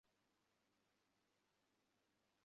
প্রেমরূপ ত্রিকোণের দ্বিতীয় কোণ প্রেমে কোনরূপ ভয় নাই।